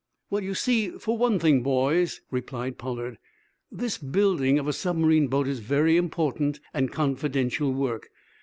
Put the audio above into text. "Well, you see, for one thing, boys," replied Pollard, "this building of a submarine boat is very important and confidential work.